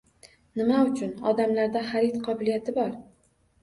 Nima uchun? Odamlarda xarid qobiliyati bor